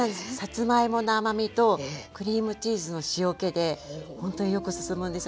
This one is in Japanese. さつまいもの甘みとクリームチーズの塩けでほんとによく進むんです。